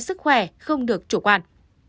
sức khỏe không được chủ quan